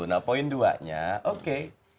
nah poin duanya oke